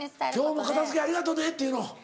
「今日も片付けありがとね」って言うの？